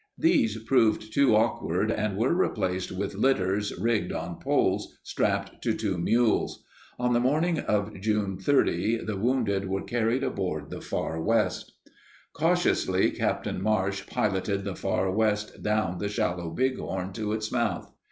These proved too awkward and were replaced with litters rigged on poles strapped to two mules. On the morning of June 30 the wounded were carried aboard the Far West. Cautiously, Captain Marsh piloted the Far West down the shallow Bighorn to its mouth.